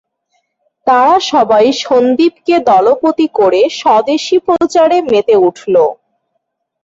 তারা সবাই সন্দীপকে দলপতি করে স্বদেশী-প্রচারে মেতে উঠল।